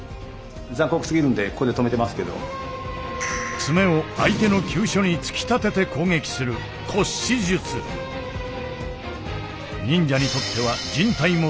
爪を相手の急所に突き立てて攻撃する忍者にとっては人体も武器。